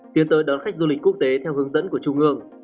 tiến tới đón khách du lịch quốc tế theo hướng dẫn của trung ương